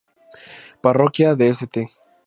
Parroquia de St.